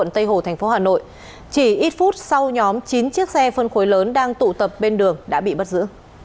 tây hồ thành phố hà nội chỉ ít phút sau nhóm chín chiếc xe phân khối lớn đang tụ tập bên đường đã bị bắt giữ